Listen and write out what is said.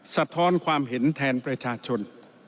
สะท้อนความเห็นแทนประชาชน